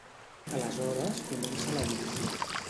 Aleshores comença la divisió.